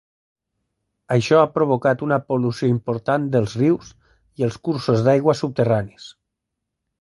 Això ha provocat una pol·lució important dels rius i els cursos d'aigua subterranis.